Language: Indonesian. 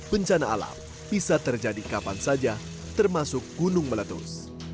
bencana alam bisa terjadi kapan saja termasuk gunung meletus